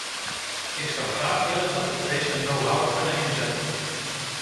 Ik zou graag willen dat we deze knowhow kunnen inzetten.